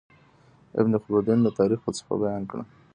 ابن خلدون د تاريخ فلسفه بيان کړه.